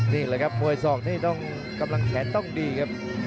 นี่แหละครับมวยศอกนี่ต้องกำลังแขนต้องดีครับ